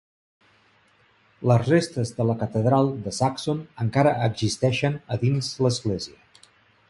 Les restes de la catedral de Saxon encara existeixen a dins l'església.